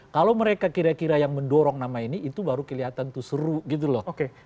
kalau mereka kira kira yang mendorong nama ini itu baru kelihatan tuh seru gitu loh